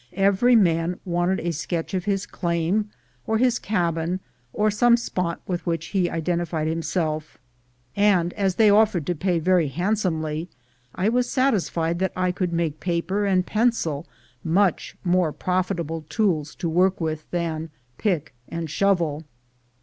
Every man wanted a sketch of his claim, or his cabin, or some spot with which he identified himself; and as they offered to pay very handsomely, I was satisfied that I could make paper and pencil much more profit able tools to work with than pick and shovel.